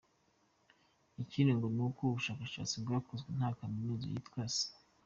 Ikindi ngo ni uko ubushakashatsi bwakozwe na Kaminuza yitwa St.